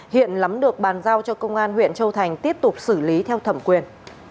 hiện lắm được bàn giao cho công an huyện châu thành tiếp tục xử lý theo thẩm quyền